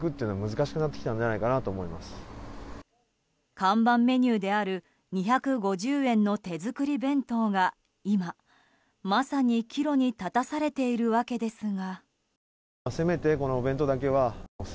看板メニューである２５０円の手作り弁当が今まさに、岐路に立たされているわけですが。